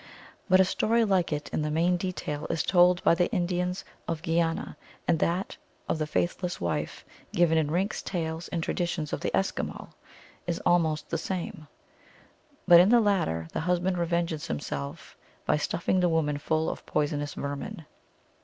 But a story like it in the main detail is told by the Indians of Guiana, and that of the Faithless Wife, given in Rink s Tales and Tra ditions of the Eskimo (p. 143), is almost the same. But in the latter the husband revenges himself by stuffing the woman full of poisonous vermin.